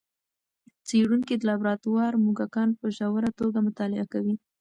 څېړونکي د لابراتوار موږکان په ژوره توګه مطالعه کوي.